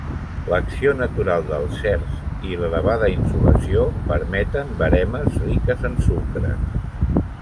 L'acció natural del cerç i l'elevada insolació permeten veremes riques en sucres.